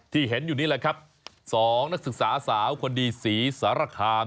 ที่เห็นอยู่นี่แหละครับ๒นักศึกษาสาวคนดีศรีสารคาม